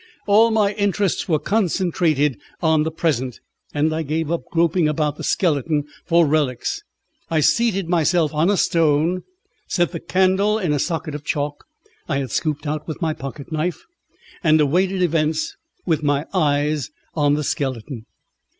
All my interests were concentrated on the present, and I gave up groping about the skeleton for relics. I seated myself on a stone, set the candle in a socket of chalk I had scooped out with my pocket knife, and awaited events with my eyes on the skeleton.